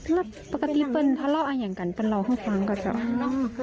แล้วปกติเป็นภาระอย่างกันเป็นรอข้างกันเนอะ